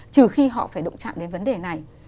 trừ khi họ phải động chạm đến vấn đề này